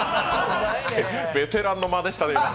ベテランのまねしたね、今。